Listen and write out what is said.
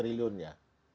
rp lima puluh tiga jutaan ya